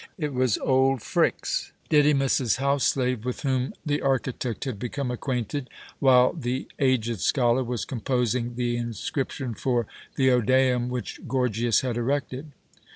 It was old Phryx, Didymus's house slave, with whom the architect had become acquainted, while the aged scholar was composing the inscription for the Odeum which Gorgias had erected.